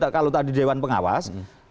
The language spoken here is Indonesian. kalau tadi dewan pengawas